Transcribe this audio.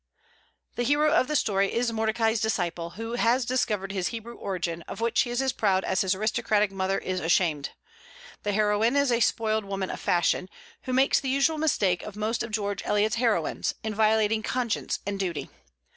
The hero of the story is Mordecai's disciple, who has discovered his Hebrew origin, of which he is as proud as his aristocratic mother is ashamed The heroine is a spoiled woman of fashion, who makes the usual mistake of most of George Eliot's heroines, in violating conscience and duty.